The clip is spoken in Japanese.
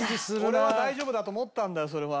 俺は大丈夫だと思ったんだよそれは。